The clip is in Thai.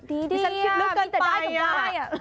ดีดีมีแต่ได้กับง่าย